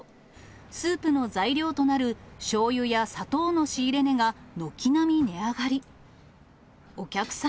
スープの材料となるしょうゆや砂糖の仕入れ値が軒並み値上がり。